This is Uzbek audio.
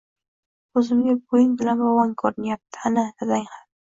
Ko‘zimga buving bilan bobong ko‘rinyapti, ana, dadang ham